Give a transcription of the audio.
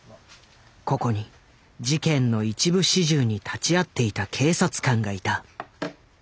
ここに事件の一部始終に立ち会っていた警察官がいた。